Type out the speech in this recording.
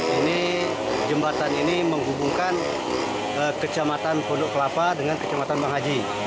ini jembatan ini menghubungkan kecamatan pondok kelapa dengan kecamatan bang haji